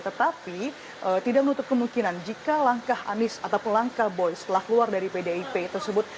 tetapi tidak menutup kemungkinan jika langkah anies atau pelangka boy setelah keluar dari pdip tersebut